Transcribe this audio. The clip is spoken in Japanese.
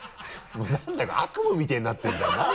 もう何だか悪夢みたいになってるじゃん何？